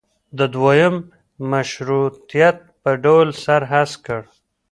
د دویم مشروطیت په ډول سر هسک کړ.